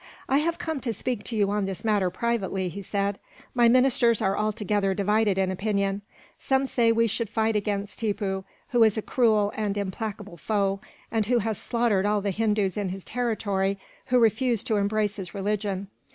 "I have come to speak to you on this matter, privately," he said. "My ministers are altogether divided in opinion. Some say we should fight against Tippoo, who is a cruel and implacable foe, and who has slaughtered all the Hindus in his territory who refused to embrace his religion.